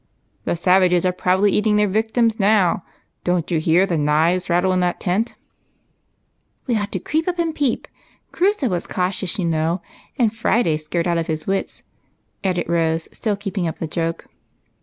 " The savages are probably eating their victims now ; don't you hear the knives rattle in that tent ?"" We ought to creep up and peep ; Crusoe was cau tious, you know, and Friday scared out of his wits," added Rose, still keeping up the joke.